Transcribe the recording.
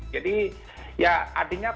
jadi ya artinya